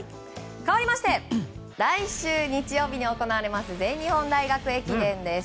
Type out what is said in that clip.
かわりまして来週日曜日に行われます全日本大学駅伝です。